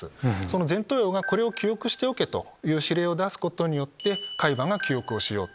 前頭葉が「これを記憶しておけ」という指令を出すことで海馬が記憶をしようと。